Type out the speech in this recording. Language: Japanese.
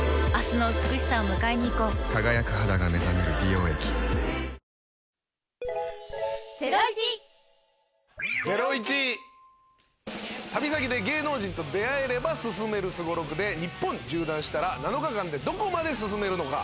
およそ２時間の睡旅先で芸能人と出会えれば進めるすごろくで、日本縦断したら７日間でどこまで進めるのか。